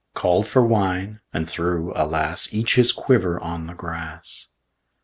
Called for wine, and threw — alas! — Each his quiver on the grass.